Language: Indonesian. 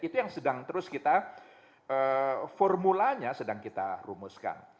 itu yang sedang terus kita formulanya sedang kita rumuskan